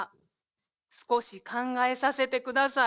少し考えさせて下さい。